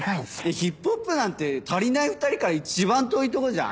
ヒップホップなんてたりないふたりから一番遠いとこじゃん！